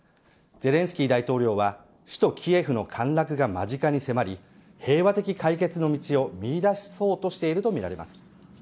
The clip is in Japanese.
ゼレンスキー大統領は首都キエフの陥落が間近に迫り平和的解決の道を見いだそうとしているとみられます。